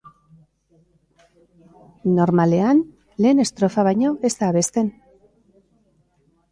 Normalean, lehen estrofa baino ez da abesten.